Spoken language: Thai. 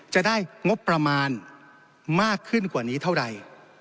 จะได้งบประมาณมากขึ้นกว่านี้เท่าใด